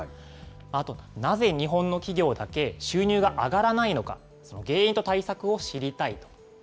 あと、なぜ日本の企業だけ収入が上がらないのか、その原因と対策を知りたいと。